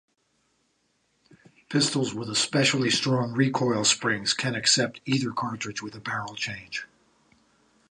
Pistols with especially strong recoil springs can accept either cartridge with a barrel change.